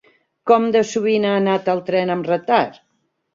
Com de sovint ha anat el tren amb retard?